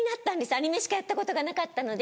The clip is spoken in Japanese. アニメしかやったことがなかったので。